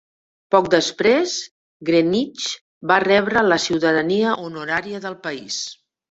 Poc després, Greenidge va rebre la ciutadania honoraria del país.